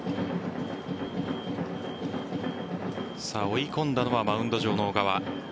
追い込んだのはマウンド上の小川。